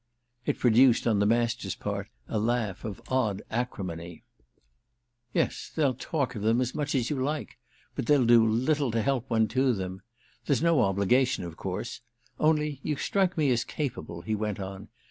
It produced on the Master's part a laugh of odd acrimony. "Yes, they'll 'talk' of them as much as you like! But they'll do little to help one to them. There's no obligation of course; only you strike me as capable," he went on.